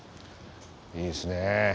いいですね。